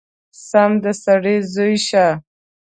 سم د سړي زوی شه!!!